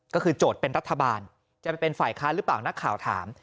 ก็คือโจทย์เป็นรัฐบาลจะไปเป็นฝ่ายค้านหรือเปล่านักข่าวถาม